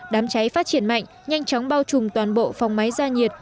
đám cháy phát triển mạnh nhanh chóng bao trùm toàn bộ phòng máy ra nhiệt